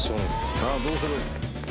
さぁどうする？